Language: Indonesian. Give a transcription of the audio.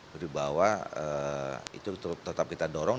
beribuahwa itu tetap kita dorong